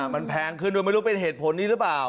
มันแพงตรงนี้ไม่รู้มันเป็นเหตุผลนี้หรือเปล่า